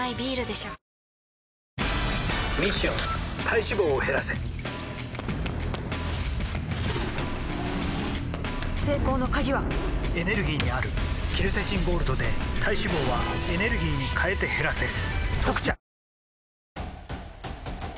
ミッション体脂肪を減らせ成功の鍵はエネルギーにあるケルセチンゴールドで体脂肪はエネルギーに変えて減らせ「特茶」